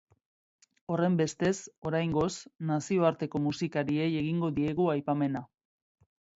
Horrenbestez, oraingoz, nazioarteko musikariei egingo diegu aipamena.